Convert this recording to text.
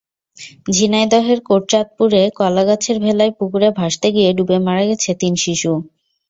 ঝিনাইদহের কোটচাঁদপুরে কলাগাছের ভেলায় পুকুরে ভাসতে গিয়ে ডুবে মারা গেছে তিন শিশু।